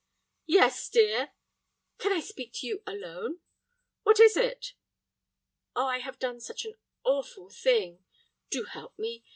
"Yes, dear—" "Can I speak to you alone?" "What is it?" "Oh, I have done such an awful thing. Do help me.